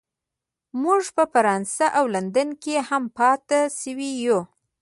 موږ په فرانسه او لندن کې هم پاتې شوي یو